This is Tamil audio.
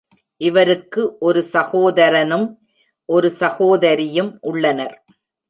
இவருக்கு ஒரு சகோதரனும் ஒரு சகோதரியும் உள்ளனர்.